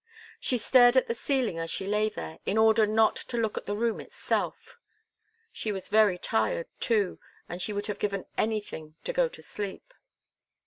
She stared at the ceiling as she lay there, in order not to look at the room itself. She was very tired, too, and she would have given anything to go to sleep.